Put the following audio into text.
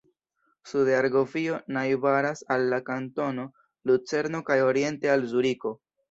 Sude Argovio najbaras al la kantono Lucerno kaj oriente al Zuriko.